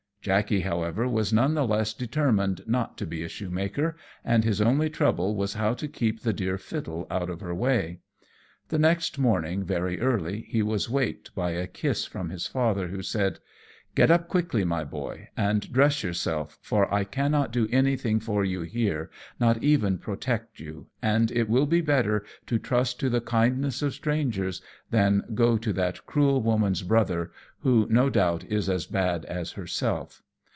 Jackey, however, was none the less determined not to be a shoemaker, and his only trouble was how to keep the dear fiddle out of her way. The next morning very early he was waked by a kiss from his father, who said "Get up quickly, my Boy, and dress yourself, for I cannot do anything for you here, not even protect you, and it will be better to trust to the kindness of strangers than go to that cruel woman's brother, who no doubt is as bad as herself.